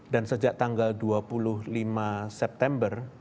dan sejak tanggal dua puluh lima september